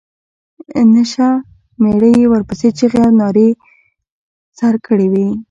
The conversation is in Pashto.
نشه مېړه یې ورپسې چيغې او نارې سر کړې وې.